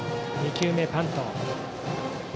２球目もバント。